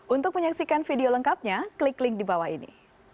untuk menyaksikan video lengkapnya klik link di bawah ini